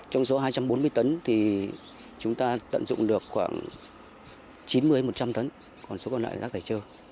trong số hai trăm bốn mươi tấn thì chúng ta tận dụng được khoảng chín mươi một trăm linh tấn còn số còn lại rác thải trơ